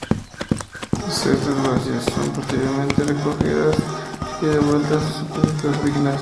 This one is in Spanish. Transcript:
Las cestas vacías son posteriormente recogidas y devueltas a sus respectivos orígenes.